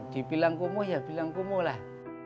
di bilang kumuh ya bilang kumuh lah